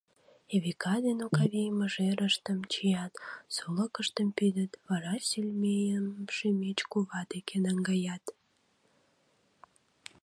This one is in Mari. Эвика ден Окавий мыжерыштым чият, солыкыштым пидыт, вара Селмейым Шемеч кува деке наҥгаят.